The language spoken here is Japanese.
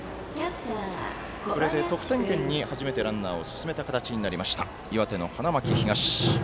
これで得点圏に初めてランナーを進めた形になりました、岩手の花巻東。